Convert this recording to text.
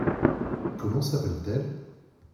Comment s’appelle-t-elle ?